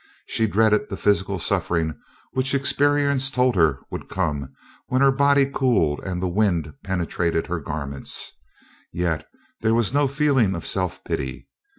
She dreaded the physical suffering which experience told her would come when her body cooled and the wind penetrated her garments, yet there was no feeling of self pity.